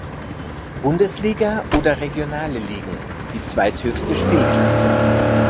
Bundesliga oder regionale Ligen die zweithöchste Spielklasse.